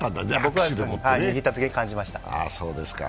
はい、握ったときに感じました。